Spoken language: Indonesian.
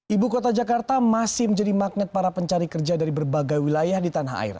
ibu kota jakarta masih menjadi magnet para pencari kerja dari berbagai wilayah di tanah air